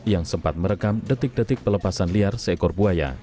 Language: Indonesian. yang sempat merekam detik detik pelepasan liar seekor buaya